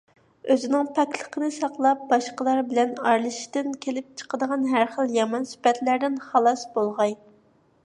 ئۆزىنىڭ پاكلىقىنى ساقلاپ، باشقىلار بىلەن ئارىلىشىشتىن كېلىپ چىقىدىغان ھەر خىل يامان سۈپەتلەردىن خالاس بولغاي.